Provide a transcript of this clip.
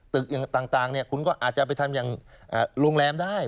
ต่างคุณก็อาจจะไปทำอย่างโรงแรมได้